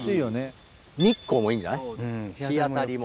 日光もいいんじゃない日当たりも。